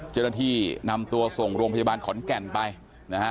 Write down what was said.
เจ้าหน้าที่นำตัวส่งโรงพยาบาลขอนแก่นไปนะฮะ